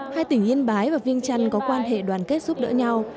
hai tỉnh yên bái và viên trăn có quan hệ đoàn kết giúp đỡ nhau